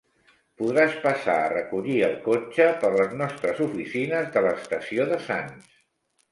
Podràs passar a recollir el cotxe per les nostres oficines de l'estació de Sants.